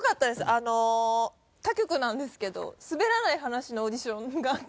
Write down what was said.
あの他局なんですけど『すべらない話』のオーディションがあって。